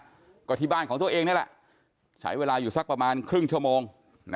เผื่อที่บ้านของตัวเองนี่ล่ะใช้เวลาอยู่สักประมาณครึ่งชั่วโมงนะครับ